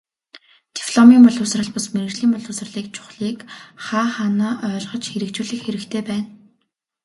Дипломын боловсрол бус, мэргэжлийн боловсролыг чухлыг хаа хаанаа ойлгож хэрэгжүүлэх хэрэгтэй байна.